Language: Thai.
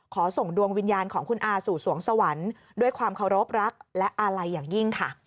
ส่งดวงวิญญาณของคุณอาสู่สวงสวรรค์ด้วยความเคารพรักและอาลัยอย่างยิ่งค่ะ